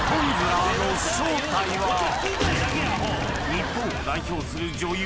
日本を代表する女優